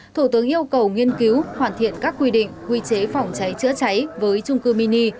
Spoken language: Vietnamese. thủ tướng yêu cầu nghiên cứu hoàn thiện các quy định quy chế phòng cháy chữa cháy với trung cư mini